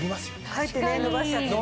かえってね伸ばしちゃってね。